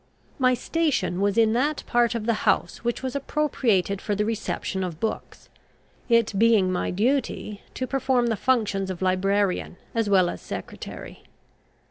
My station was in that part of the house which was appropriated for the reception of books, it being my duty to perform the functions of librarian as well as secretary.